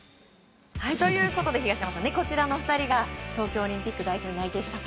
東山さん、こちらの２人が東京オリンピック代表に内定したと。